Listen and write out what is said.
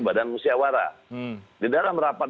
badan musyawarah di dalam rapat